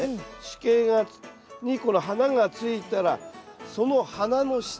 主茎にこの花がついたらその花の下。